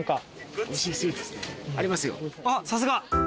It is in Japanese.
あっさすが。